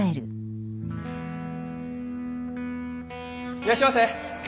いらっしゃいませ！